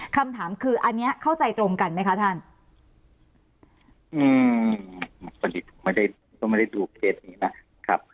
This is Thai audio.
คำถามคืออันเนี้ยเข้าใจตรงกันไหมคะท่านอืมก็ไม่ได้ดูเคสนี้นะครับ